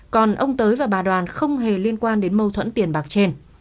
còn ông tới và bà đoàn không hề liên quan đến mâu thuẫn tiền bạc trên